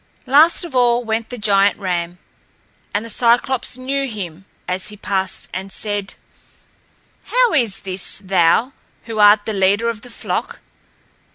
Last of all went the great ram. And the Cyclops knew him as he passed and said: "How is this, thou, who art the leader of the flock?